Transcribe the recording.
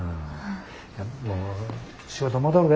もう仕事戻るで。